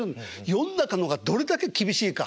世の中の方がどれだけ厳しいか。